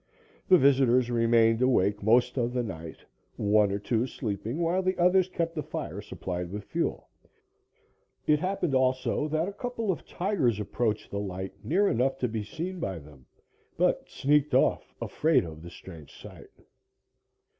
The visitors remained awake most of the night, one or two sleeping while the others kept the fire supplied with fuel. It happened, also, that a couple of tigers approached the light near enough to be seen by them, but sneaked off, afraid of the strange sight.